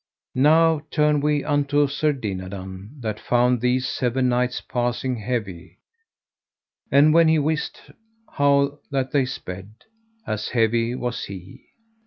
Now turn we unto Sir Dinadan, that found these seven knights passing heavy. And when he wist how that they sped, as heavy was he.